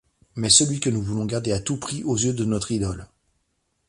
Mais celui que nous voulons garder à tout prix aux yeux de notre idole.